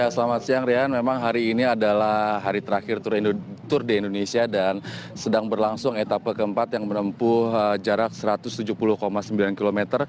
selamat siang rian memang hari ini adalah hari terakhir tour de indonesia dan sedang berlangsung etapa keempat yang menempuh jarak satu ratus tujuh puluh sembilan km